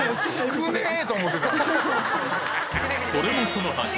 それもそのはず